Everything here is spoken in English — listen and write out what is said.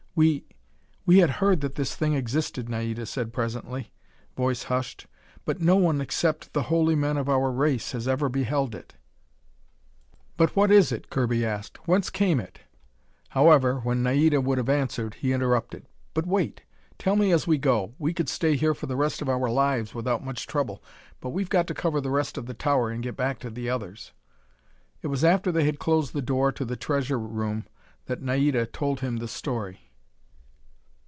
"We we had heard that this thing existed," Naida said presently, voice hushed, "but no one except the holy men of our race has ever beheld it." "But, what is it?" Kirby asked. "Whence came it?" However, when Naida would have answered, he interrupted. "But wait! Tell me as we go. We could stay here for the rest of our lives without much trouble, but we've got to cover the rest of the tower and get back to the others." It was after they had closed the door to the treasure room that Naida told him the story.